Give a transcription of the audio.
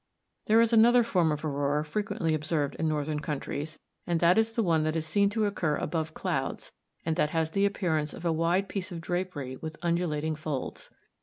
There is another form of aurora frequently observed in northern countries, and that is the one that is seen to occur above clouds, and that has the appearance of a wide piece of drapery with undulating folds.